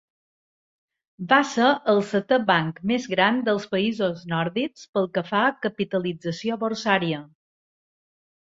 Va ser el setè banc més gran dels països nòrdics pel que fa a capitalització borsària.